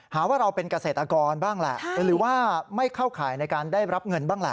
หาว่าเราเป็นเกษตรกรบ้างแหละหรือว่าไม่เข้าข่ายในการได้รับเงินบ้างล่ะ